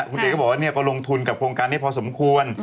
คุณเอกก็บอกว่าเนี่ยก็ลงทุนกับโครงการนี้พอสมควร